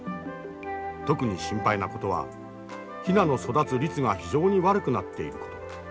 特に心配なことはヒナの育つ率が非常に悪くなっていること。